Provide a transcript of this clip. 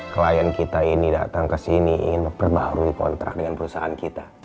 klien kita ini datang ke sini ingin memperbarui kontrak dengan perusahaan kita